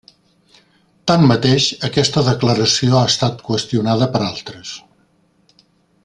Tanmateix, aquesta declaració ha estat qüestionada per altres.